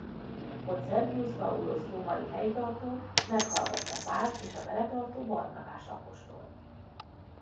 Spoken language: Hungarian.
Ott Sergius Paulus római helytartó meghallgatta Pált és a vele tartó Barnabás apostolt.